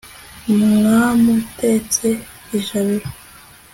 mwam'utetse ijabiro